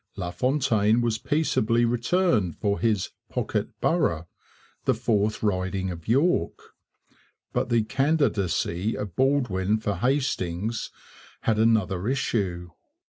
LaFontaine was peaceably returned for his 'pocket borough,' the fourth riding of York, but the candidacy of Baldwin for Hastings had another issue.